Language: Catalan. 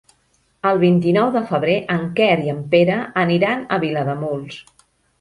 El vint-i-nou de febrer en Quer i en Pere aniran a Vilademuls.